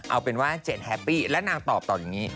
เอาเป็นว่าเจนแฮปปี้และนางตอบต่ออย่างนี้